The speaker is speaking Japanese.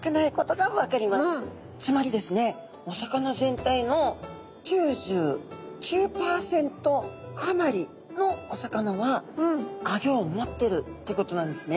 つまりですねお魚全体の９９％あまりのお魚はアギョを持ってるってことなんですね。